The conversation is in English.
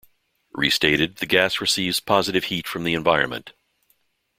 Restated, the gas receives positive heat from the environment.